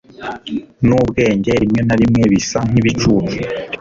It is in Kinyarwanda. Nubwenge rimwe na rimwe bisa nkibicucu